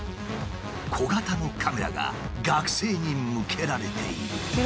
小型のカメラが学生に向けられている。